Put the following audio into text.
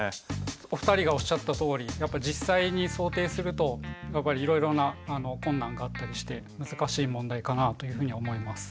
お二人がおっしゃったとおりやっぱり実際に想定するといろいろな困難があったりして難しい問題かなというふうに思います。